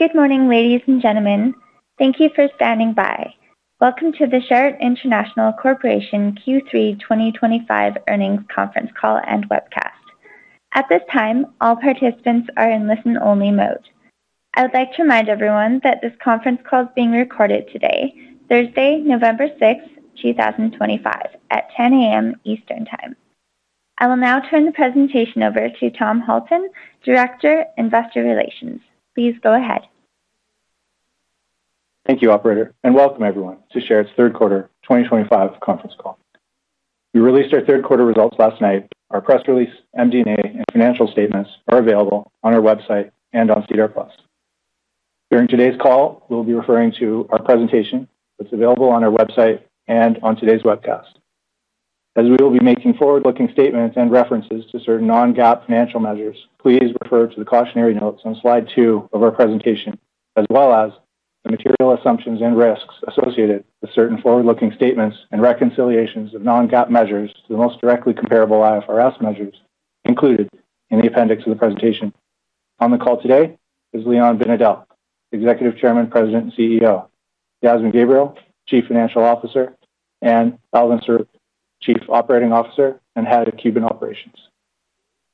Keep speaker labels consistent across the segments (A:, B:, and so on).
A: Good morning, ladies and gentlemen. Thank you for standing by. Welcome to the Sherritt International Corporation Q3 2025 earnings conference call and webcast. At this time, all participants are in listen-only mode. I would like to remind everyone that this conference call is being recorded today, Thursday, November 6, 2025, at 10:00 A.M. Eastern Time. I will now turn the presentation over to Tom Halton, Director, Investor Relations. Please go ahead.
B: Thank you, Operator, and welcome everyone to Sherritt's third quarter 2025 conference call. We released our third quarter results last night. Our press release, MD&A, and financial statements are available on our website and on SEDAR+. During today's call, we'll be referring to our presentation that's available on our website and on today's webcast. As we will be making forward-looking statements and references to certain non-GAAP financial measures, please refer to the cautionary notes on slide two of our presentation, as well as the material assumptions and risks associated with certain forward-looking statements and reconciliations of non-GAAP measures to the most directly comparable IFRS measures included in the appendix of the presentation. On the call today is Leon Binedell, Executive Chairman, President, and CEO; Yasmin Gabriel, Chief Financial Officer; and Alvin Cerut, Chief Operating Officer and Head of Cuban Operations.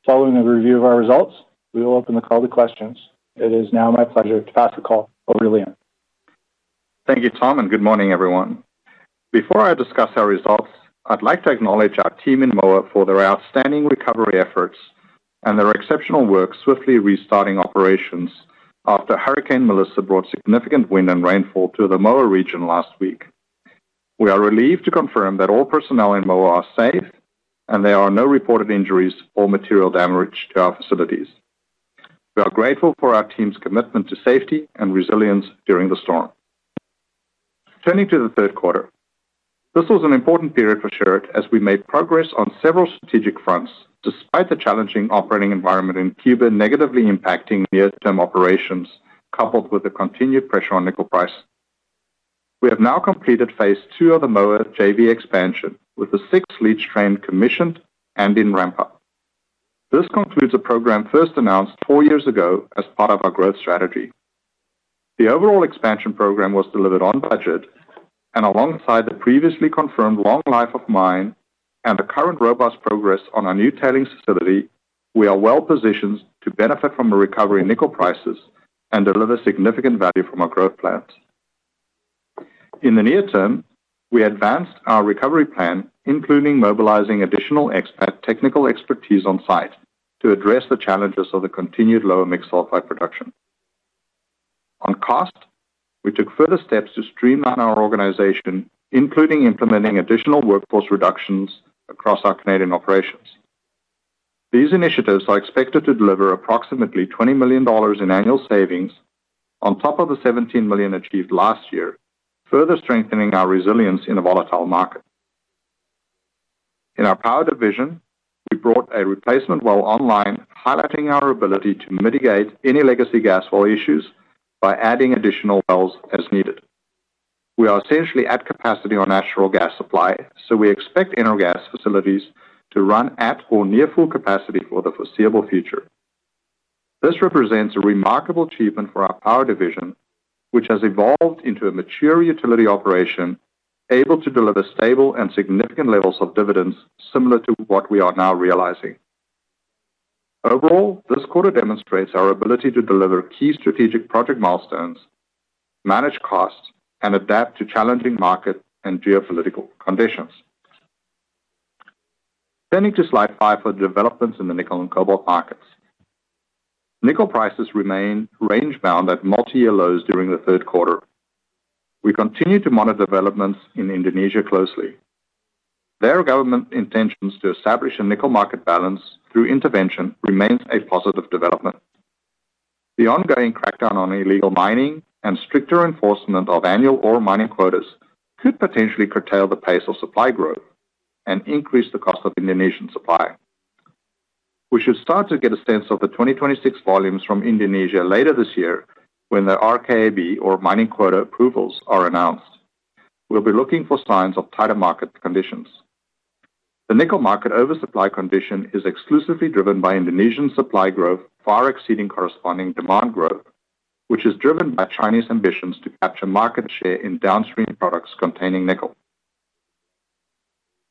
B: Following the review of our results, we will open the call to questions. It is now my pleasure to pass the call over to Leon.
C: Thank you, Tom, and good morning, everyone. Before I discuss our results, I'd like to acknowledge our team in Moa for their outstanding recovery efforts and their exceptional work swiftly restarting operations after Hurricane Melissa brought significant wind and rainfall to the Moa region last week. We are relieved to confirm that all personnel in Moa are safe, and there are no reported injuries or material damage to our facilities. We are grateful for our team's commitment to safety and resilience during the storm. Turning to the third quarter, this was an important period for Sherritt as we made progress on several strategic fronts despite the challenging operating environment in Cuba negatively impacting near-term operations, coupled with the continued pressure on nickel price. We have now completed phase two of the Moa JV expansion with the sixth leach train commissioned and in ramp-up. This concludes a program first announced four years ago as part of our growth strategy. The overall expansion program was delivered on budget, and alongside the previously confirmed long life of mine and the current robust progress on our new tailings facility, we are well positioned to benefit from recovery nickel prices and deliver significant value from our growth plans. In the near term, we advanced our recovery plan, including mobilizing additional expert technical expertise on site to address the challenges of the continued lower mixed sulfide production. On cost, we took further steps to streamline our organization, including implementing additional workforce reductions across our Canadian operations. These initiatives are expected to deliver approximately $20 million in annual savings on top of the $17 million achieved last year, further strengthening our resilience in a volatile market. In our power division, we brought a replacement well online, highlighting our ability to mitigate any legacy gas well issues by adding additional wells as needed. We are essentially at capacity on natural gas supply, so we expect Energas facilities to run at or near full capacity for the foreseeable future. This represents a remarkable achievement for our power division, which has evolved into a mature utility operation able to deliver stable and significant levels of dividends similar to what we are now realizing. Overall, this quarter demonstrates our ability to deliver key strategic project milestones, manage costs, and adapt to challenging market and geopolitical conditions. Turning to slide five for developments in the nickel and cobalt markets. Nickel prices remain range-bound at multi-year lows during the third quarter. We continue to monitor developments in Indonesia closely. Their government intentions to establish a nickel market balance through intervention remain a positive development. The ongoing crackdown on illegal mining and stricter enforcement of annual ore mining quotas could potentially curtail the pace of supply growth and increase the cost of Indonesian supply. We should start to get a sense of the 2026 volumes from Indonesia later this year when the RKAB or mining quota approvals are announced. We'll be looking for signs of tighter market conditions. The nickel market oversupply condition is exclusively driven by Indonesian supply growth far exceeding corresponding demand growth, which is driven by Chinese ambitions to capture market share in downstream products containing nickel.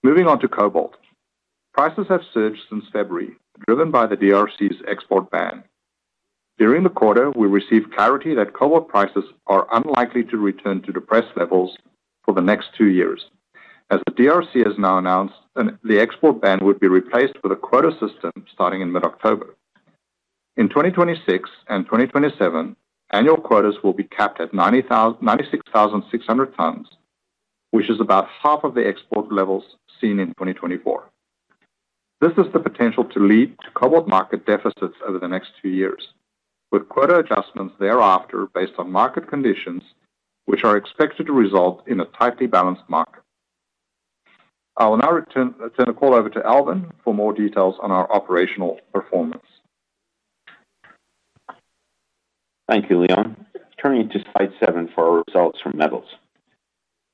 C: Moving on to cobalt, prices have surged since February, driven by the DRC's export ban. During the quarter, we received clarity that cobalt prices are unlikely to return to depressed levels for the next two years, as the DRC has now announced the export ban would be replaced with a quota system starting in mid-October. In 2026 and 2027, annual quotas will be capped at 96,600 tons, which is about half of the export levels seen in 2024. This has the potential to lead to cobalt market deficits over the next two years, with quota adjustments thereafter based on market conditions, which are expected to result in a tightly balanced market. I will now turn the call over to Alvin for more details on our operational performance.
D: Thank you, Leon. Turning to slide seven for our results from metals.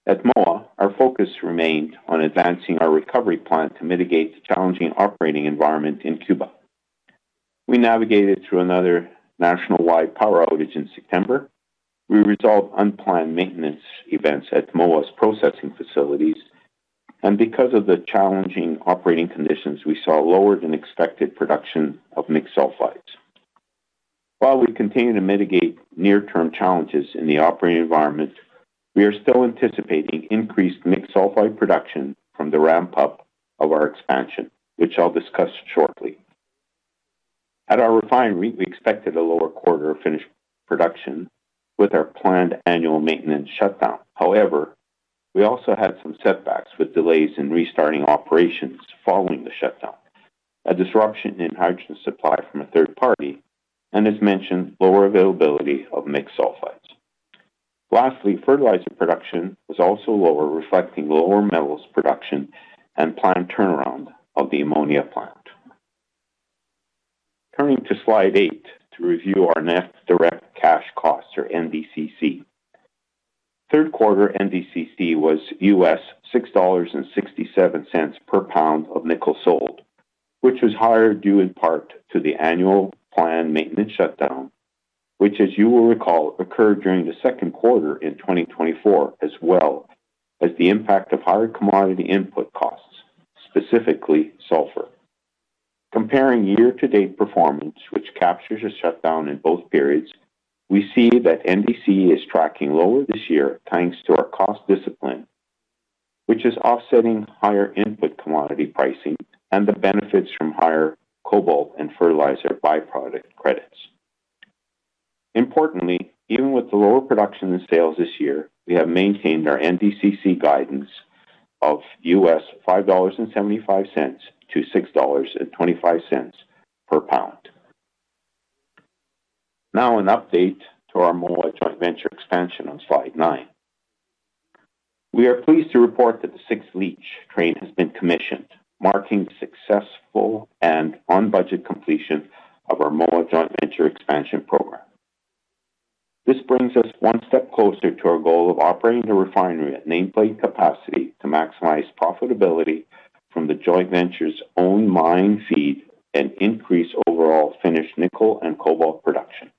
D: At Moa, our focus remained on advancing our recovery plan to mitigate the challenging operating environment in Cuba. We navigated through another nationwide power outage in September. We resolved unplanned maintenance events at Moa's processing facilities, and because of the challenging operating conditions, we saw lower than expected production of mixed sulfides. While we continue to mitigate near-term challenges in the operating environment, we are still anticipating increased mixed sulfide production from the ramp-up of our expansion, which I'll discuss shortly. At our refinery, we expected a lower quarter finished production with our planned annual maintenance shutdown. However, we also had some setbacks with delays in restarting operations following the shutdown, a disruption in hydrogen supply from a third party, and, as mentioned, lower availability of mixed sulfides. Lastly, fertilizer production was also lower, reflecting lower metals production and planned turnaround of the ammonia plant. Turning to slide eight to review our net direct cash costs, or NDCC. Third quarter NDCC was $6.67 per lbs of nickel sold, which was higher due in part to the annual planned maintenance shutdown, which, as you will recall, occurred during the second quarter in 2024, as well as the impact of higher commodity input costs, specifically sulfur. Comparing year-to-date performance, which captures a shutdown in both periods, we see that NDCC is tracking lower this year thanks to our cost discipline, which is offsetting higher input commodity pricing and the benefits from higher cobalt and fertilizer byproduct credits. Importantly, even with the lower production and sales this year, we have maintained our NDCC guidance of $5.75-$6.25 per lbs. Now, an update to our Moa Joint Venture expansion on slide nine. We are pleased to report that the six-leach train has been commissioned, marking successful and on-budget completion of our Moa Joint Venture expansion program. This brings us one step closer to our goal of operating the refinery at nameplate capacity to maximize profitability from the joint venture's own mine feed and increase overall finished nickel and cobalt production.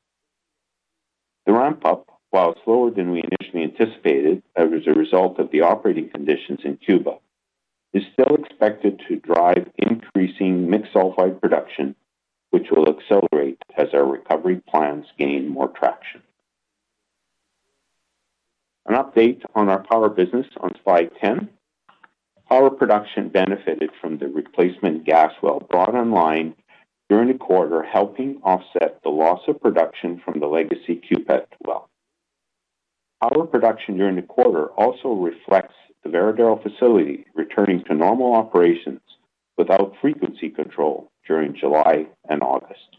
D: The ramp-up, while it's lower than we initially anticipated as a result of the operating conditions in Cuba, is still expected to drive increasing mixed sulfide production, which will accelerate as our recovery plans gain more traction. An update on our power business on slide 10. Power production benefited from the replacement gas well brought online during the quarter, helping offset the loss of production from the legacy CUPET well. Power production during the quarter also reflects the Varadero facility returning to normal operations without frequency control during July and August.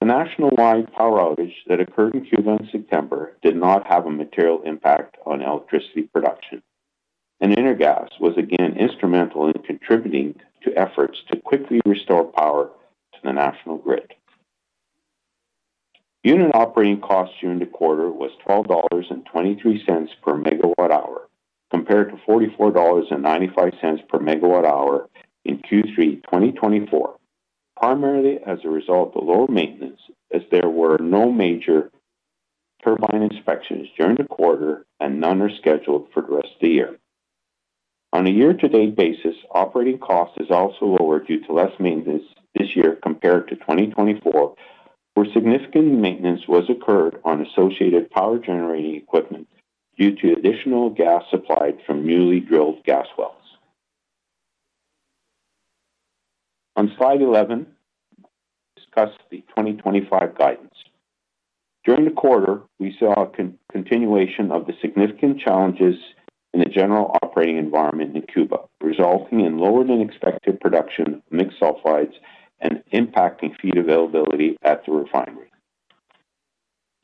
D: The nationwide power outage that occurred in Cuba in September did not have a material impact on electricity production, and Energas was again instrumental in contributing to efforts to quickly restore power to the national grid. Unit operating costs during the quarter were $12.23 per MWh, compared to $44.95 per MWh in Q3 2024, primarily as a result of lower maintenance, as there were no major turbine inspections during the quarter and none are scheduled for the rest of the year. On a year-to-date basis, operating cost is also lower due to less maintenance this year compared to 2024, where significant maintenance was occurred on associated power generating equipment due to additional gas supplied from newly drilled gas wells. On slide 11. Discuss the 2025 guidance. During the quarter, we saw a continuation of the significant challenges in the general operating environment in Cuba, resulting in lower than expected production of mixed sulfides and impacting feed availability at the refinery.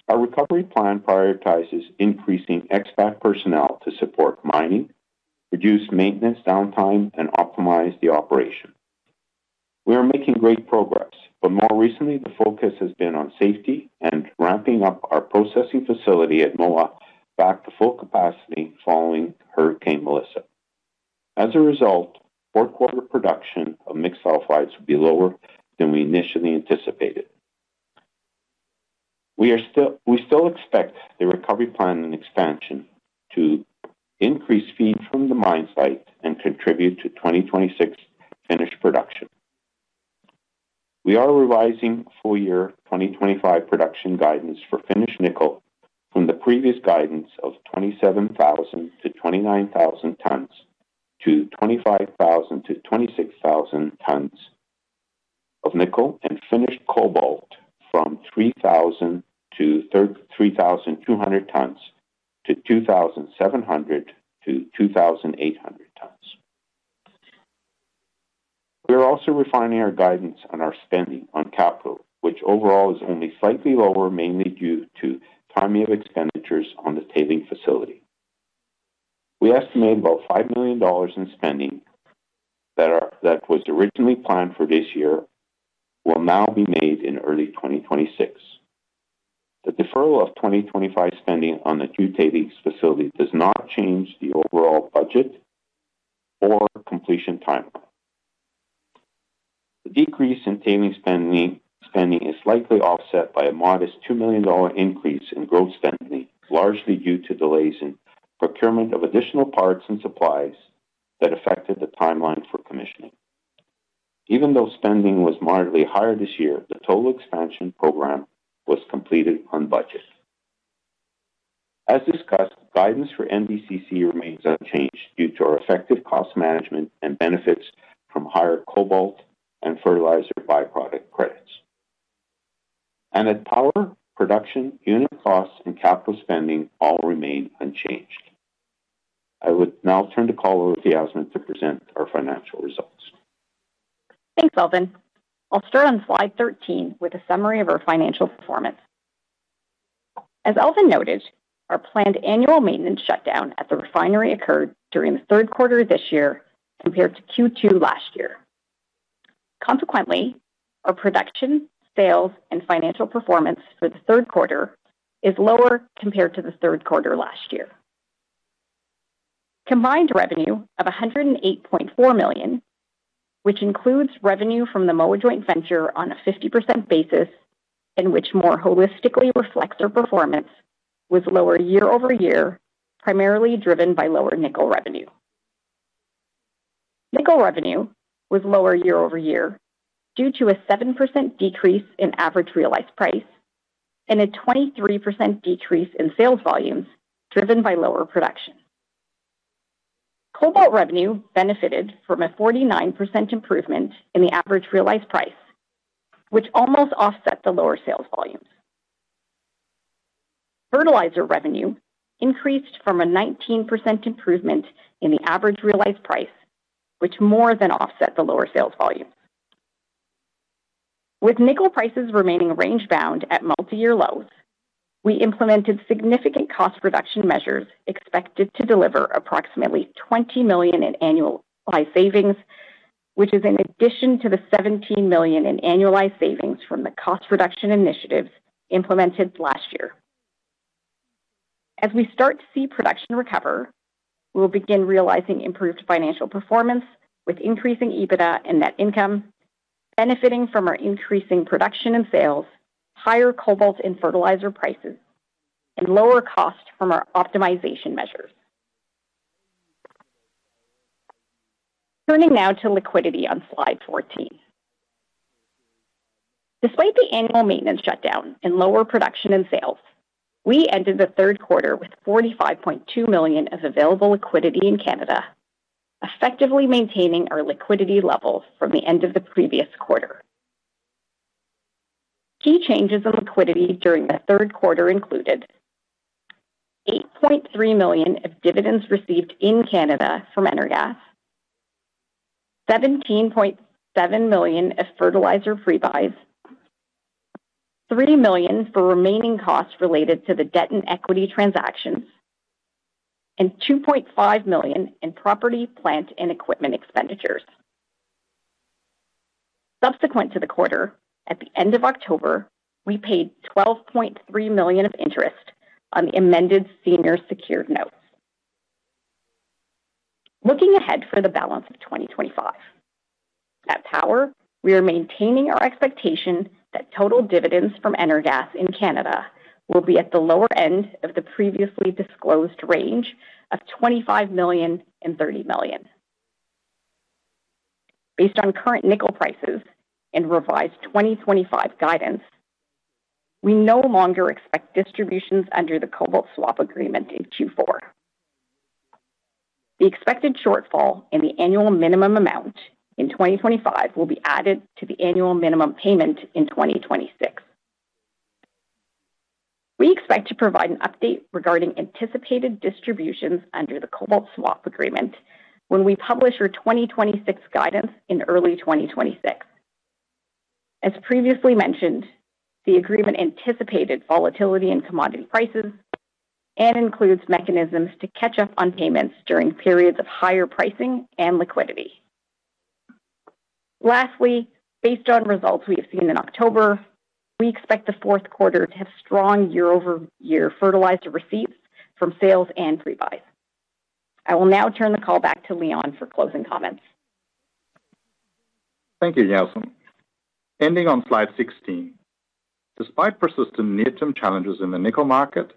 D: Our recovery plan prioritizes increasing expat personnel to support mining, reduce maintenance downtime, and optimize the operation. We are making great progress, but more recently, the focus has been on safety and ramping up our processing facility at Moa back to full capacity following Hurricane Melissa. As a result, fourth-quarter production of mixed sulfides will be lower than we initially anticipated. We still expect the recovery plan and expansion to increase feed from the mine site and contribute to 2026 finished production. We are revising full-year 2025 production guidance for finished nickel from the previous guidance of 27,000-29,000 tons to 25,000-26,000 tons. Of nickel and finished cobalt from 3,000 tons-3,200 tons to 2,700tons-2,800 tons. We are also refining our guidance on our spending on capital, which overall is only slightly lower, mainly due to timing of expenditures on the tailings facility. We estimate about $5 million in spending that was originally planned for this year will now be made in early 2026. The deferral of 2025 spending on the new tailings facility does not change the overall budget or completion timeline. The decrease in tailings spending is likely offset by a modest $2 million increase in gross spending, largely due to delays in procurement of additional parts and supplies that affected the timeline for commissioning. Even though spending was moderately higher this year, the total expansion program was completed on budget. As discussed, guidance for NDCC remains unchanged due to our effective cost management and benefits from higher cobalt and fertilizer byproduct credits. At power, production, unit costs, and capital spending all remain unchanged. I would now turn the call over to Yasmin to present our financial results.
E: Thanks, Alvin. I'll start on slide 13 with a summary of our financial performance. As Alvin noted, our planned annual maintenance shutdown at the refinery occurred during the third quarter of this year compared to Q2 last year. Consequently, our production, sales, and financial performance for the third quarter is lower compared to the third quarter last year. Combined revenue of $108.4 million, which includes revenue from the Moa Joint Venture on a 50% basis and which more holistically reflects our performance, was lower year-over-year, primarily driven by lower nickel revenue. Nickel revenue was lower year-over-year due to a 7% decrease in average realized price and a 23% decrease in sales volumes driven by lower production. Cobalt revenue benefited from a 49% improvement in the average realized price, which almost offset the lower sales volumes. Fertilizer revenue increased from a 19% improvement in the average realized price, which more than offset the lower sales volumes. With nickel prices remaining range-bound at multi-year lows, we implemented significant cost reduction measures expected to deliver approximately $20 million in annualized savings, which is in addition to the $17 million in annualized savings from the cost reduction initiatives implemented last year. As we start to see production recover, we'll begin realizing improved financial performance with increasing EBITDA and net income, benefiting from our increasing production and sales, higher cobalt and fertilizer prices, and lower costs from our optimization measures. Turning now to liquidity on slide 14. Despite the annual maintenance shutdown and lower production and sales, we ended the third quarter with $45.2 million of available liquidity in Canada, effectively maintaining our liquidity levels from the end of the previous quarter. Key changes in liquidity during the third quarter included $8.3 million of dividends received in Canada from Energas, $17.7 million of fertilizer prebuys, $3 million for remaining costs related to the debt and equity transactions, and $2.5 million in property, plant, and equipment expenditures. Subsequent to the quarter, at the end of October, we paid $12.3 million of interest on the amended senior secured notes. Looking ahead for the balance of 2025, at power, we are maintaining our expectation that total dividends from Energas in Canada will be at the lower end of the previously disclosed range of $25 million-$30 million. Based on current nickel prices and revised 2025 guidance, we no longer expect distributions under the cobalt swap agreement in Q4. The expected shortfall in the annual minimum amount in 2025 will be added to the annual minimum payment in 2026. We expect to provide an update regarding anticipated distributions under the cobalt swap agreement when we publish our 2026 guidance in early 2026. As previously mentioned, the agreement anticipated volatility in commodity prices and includes mechanisms to catch up on payments during periods of higher pricing and liquidity. Lastly, based on results we have seen in October, we expect the fourth quarter to have strong year-over-year fertilizer receipts from sales and prebuys. I will now turn the call back to Leon for closing comments.
C: Thank you, Yasmin. Ending on slide 16. Despite persistent near-term challenges in the nickel market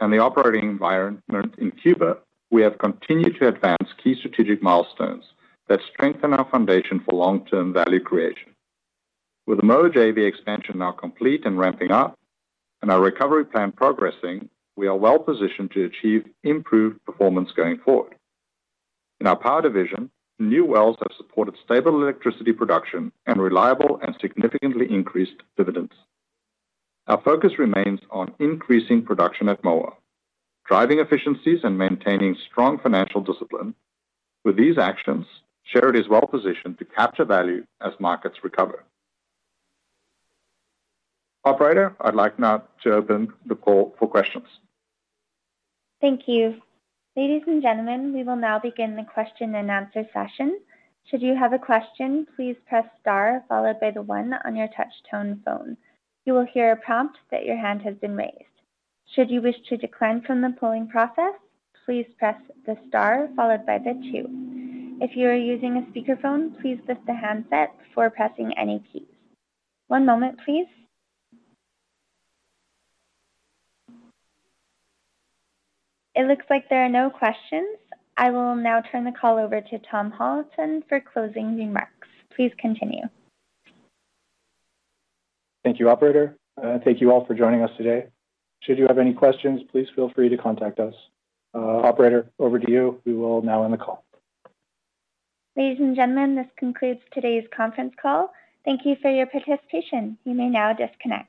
C: and the operating environment in Cuba, we have continued to advance key strategic milestones that strengthen our foundation for long-term value creation. With the Moa JV expansion now complete and ramping up, and our recovery plan progressing, we are well positioned to achieve improved performance going forward. In our power division, new wells have supported stable electricity production and reliable and significantly increased dividends. Our focus remains on increasing production at Moa, driving efficiencies, and maintaining strong financial discipline. With these actions, Sherritt is well positioned to capture value as markets recover.
B: Operator, I'd like now to open the call for questions.
A: Thank you. Ladies and gentlemen, we will now begin the question and answer session. Should you have a question, please press star followed by the one on your touch-tone phone. You will hear a prompt that your hand has been raised. Should you wish to decline from the polling process, please press the star followed by the two. If you are using a speakerphone, please lift the handset before pressing any keys. One moment, please. It looks like there are no questions. I will now turn the call over to Tom Halton for closing remarks. Please continue.
B: Thank you, Operator. Thank you all for joining us today. Should you have any questions, please feel free to contact us. Operator, over to you. We will now end the call.
A: Ladies and gentlemen, this concludes today's conference call. Thank you for your participation. You may now disconnect.